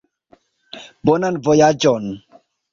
Bonan vojaĝon!